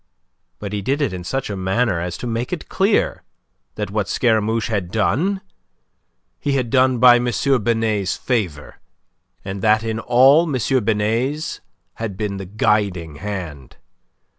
But he did it in such a manner as to make it clear that what Scaramouche had done, he had done by M. Binet's favour, and that in all M. Binet's had been the guiding hand.